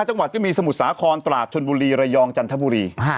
จังหวัดก็มีสมุทรสาครตราดชนบุรีระยองจันทบุรี